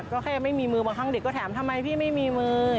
ก็แค่ยังไม่มีมือบางครั้งเด็กก็ถามทำไมพี่ไม่มีมือ